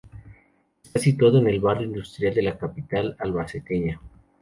Está situado en el barrio Industria de la capital albaceteña.